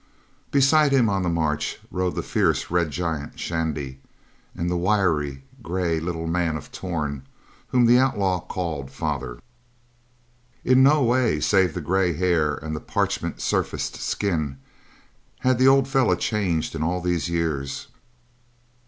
Beside him on the march rode the fierce red giant, Shandy, and the wiry, gray little man of Torn, whom the outlaw called father. In no way, save the gray hair and the parchment surfaced skin, had the old fellow changed in all these years.